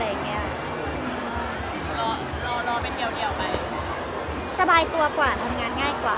รอรอเป็นเดียวไปสบายตัวกว่าทำงานง่ายกว่า